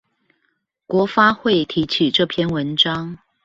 國發會提起這篇文章